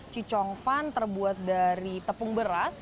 cicongfan terbuat dari tepung beras